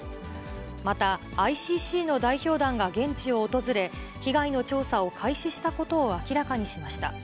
また、ＩＣＣの代表団が現地を訪れ、被害の調査を開始したことを明らかにしました。